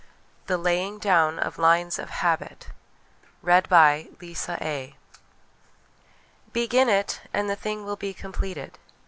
THE LAYING DOWN OF LINES OF HABIT ' Begin it, and the thing will be completed